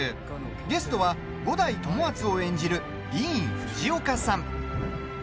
ゲストは五代友厚を演じるディーン・フジオカさん。